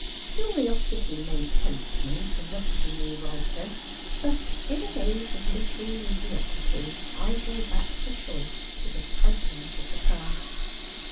Curiosity may tempt me to look at a new writer ; but in an age of literary mediocrity I go back for choice to the Titans of the past.